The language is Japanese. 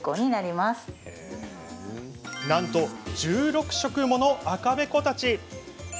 なんと１６色もの赤べこたち。